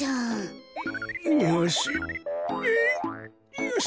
よし。